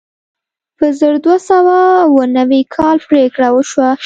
په زر دوه سوه اوه نوي کال پرېکړه وشوه.